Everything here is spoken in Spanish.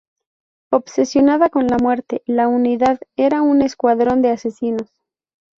Obsesionada con la muerte, la unidad era un escuadrón de asesinos.